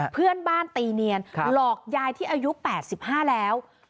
เพื่อนบ้านตีเนียนหลอกยายที่อายุ๘๕แล้ว